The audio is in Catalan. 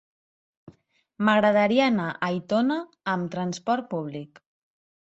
M'agradaria anar a Aitona amb trasport públic.